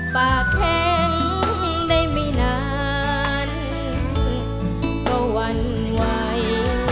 ปากแท้งได้ไม่นานก็วรรณไหว